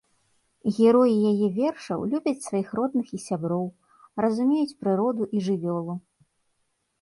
Героі яе вершаў любяць сваіх родных і сяброў, разумеюць прыроду і жывёлу.